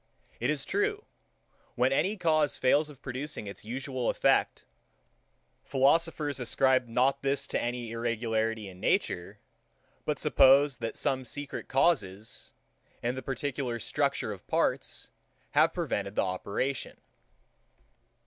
It is true, when any cause fails of producing its usual effect, philosophers ascribe not this to any irregularity in nature; but suppose, that some secret causes, in the particular structure of parts, have prevented the operation.